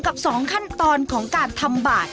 กับ๒ขั้นตอนของการทำบาท